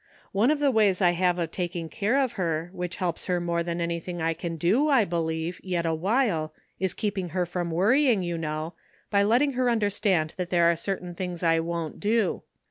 One of the ways I have of taking care of her, which helps her more than anything I can do, I be lieve, yet awhile, is keeping her from worrying, you know, by letting her understand that there are certain things I won't do.